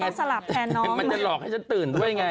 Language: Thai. สลับแทนน้องมันจะหลอกให้ฉันตื่นด้วยไง